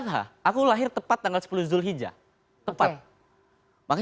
boleh boleh boleh